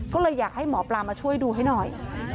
ก็เลยอยากให้หมอปลามาช่วยดูให้หน่อย